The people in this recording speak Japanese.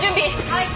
はい。